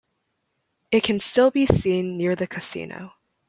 It can still be seen near the Casino.